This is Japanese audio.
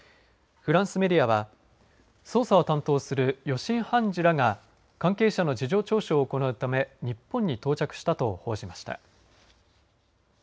フランスメディアは捜査を担当する予審判事らが関係者の事情聴取を行うため日本に到着したと報じました。